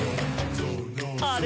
「あれ？